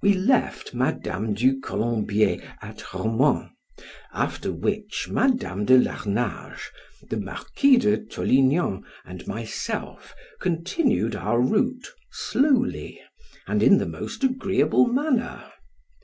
We left Madam du Colombier at Romans; after which Madam de Larnage, the Marquis de Torignan, and myself continued our route slowly, and in the most agreeable manner.